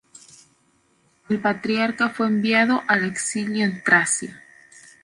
El patriarca fue enviado al exilio en Tracia.